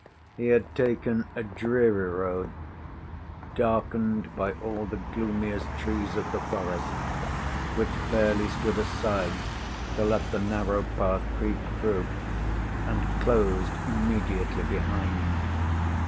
He had taken a dreary road, darkened by all the gloomiest trees of the forest, which barely stood aside to let the narrow path creep through, and closed immediately behind.